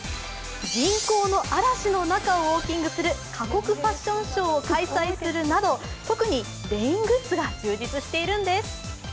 人工の嵐の中をウォーキングする過酷ファッションショーを開催するなど特にレイングッズが充実しているんです。